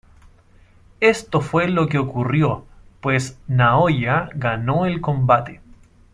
Esto fue lo que ocurrió, pues Naoya ganó el combate.